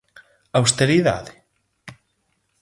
Austeridade?